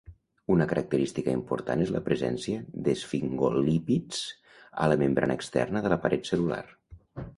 Una característica important és la presència d'esfingolípids a la membrana externa de la paret cel·lular.